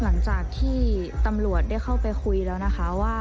หลังจากที่ตำรวจได้เข้าไปคุยแล้วนะคะว่า